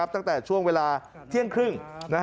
ตั้งแต่ช่วงเวลาเที่ยงครึ่ง